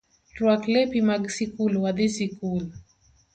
Rwak lepi mag sikul wadhii sikul